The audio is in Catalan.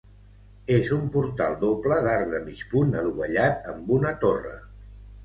És un portal doble d'arc de mig punt adovellat amb una torre.